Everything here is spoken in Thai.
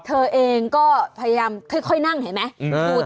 เธอเองก็พยายามค่อยนั่งเห็นไหม